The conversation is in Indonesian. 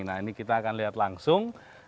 nah ini kita akan lihat langsung